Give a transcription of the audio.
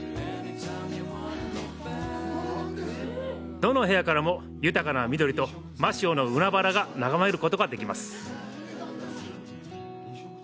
どの部屋からも豊かな緑と「マシオ」の海原を眺めることができます。